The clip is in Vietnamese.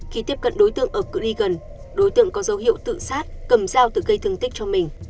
khi tiếp cận đối tượng ở cửa đi gần đối tượng có dấu hiệu tự sát cầm dao từ cây thương tích cho mình